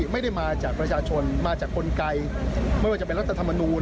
มาจากกลไกไม่ว่าจะเป็นรัฐธรรมนูล